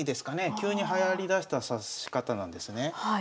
急にはやりだした指し方なんですね。